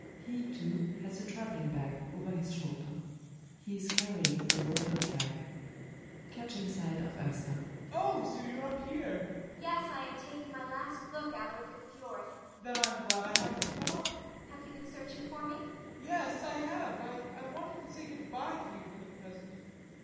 He, too, has a travelling bag over his shoulder. He is carrying a rolled up flag.] BORGHEIM. [Catching sight of ASTA.] Oh, so you are up here! ASTA. Yes, I am taking my last look out over the fiord. BORGHEIM. Then I am glad I happened to come up. ASTA. Have you been searching for me? BORGHEIM. Yes, I have. I wanted to say good bye to you for the present.